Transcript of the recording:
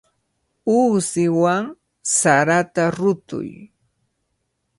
Uusiwan sarata rutuy.